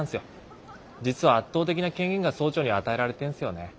実は圧倒的な権限が総長に与えられてんすよね。